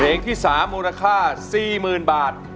เพลงที่๓มูลค่า๔๐๐๐บาท